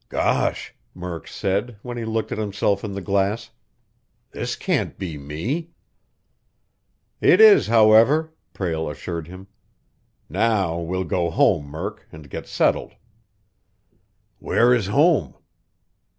"Gosh!" Murk said, when he looked at himself in the glass. "This can't be me!" "It is, however," Prale assured him. "Now, we'll go home, Murk, and get settled." "Where is home?"